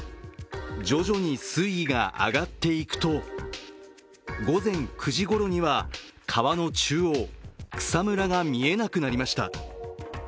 徐々に水位が上がっていくと、午前９時ごろには川の中央、草むらが見えなくなりました。